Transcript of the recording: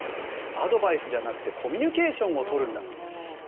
アドバイスじゃなくてコミュニケーションをとるんだと。